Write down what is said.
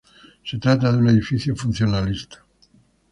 Se trata de un edificio funcionalista.